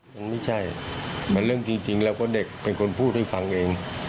มันไม่ใช่เหมือนเรื่องจริงแล้วก็เด็กเป็นคนพูดให้ฟังเอง